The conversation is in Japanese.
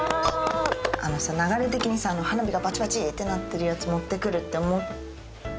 あのさ流れ的にさ花火がバチバチってなってるやつ持って来るって思った？